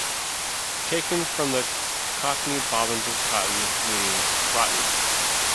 Taken from the cockney "bobbins of cotton", meaning "rotten".